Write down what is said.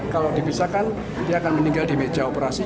kalau dipisahkan dia akan meninggal di meja operasi